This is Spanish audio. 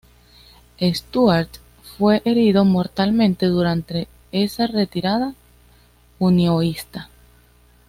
Stuart fue herido mortalmente durante esa retirada unionista.